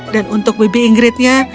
dan untuk bibi inggritnya